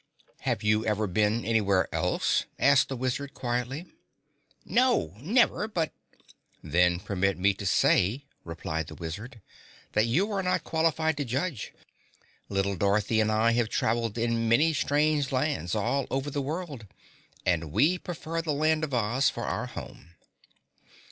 "Have you ever been anywhere else?" asked the Wizard quietly. "No, never but " "Then permit me to say," replied the Wizard, "that you are not qualified to judge. Little Dorothy and I have traveled in many strange lands all over the world, and we prefer the Land of Oz for our home."